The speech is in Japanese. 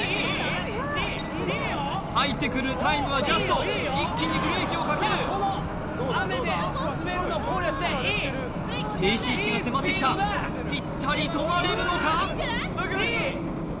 入ってくるタイムはジャスト一気にブレーキをかける停止位置が迫ってきたピッタリ止まれるのか？